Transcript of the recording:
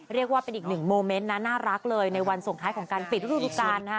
เรียกว่าเป็นอีก๑โมเม้นท์น่ารักเลยในวันส่วนคล้ายของการฟิตรูดูจันทร์นะ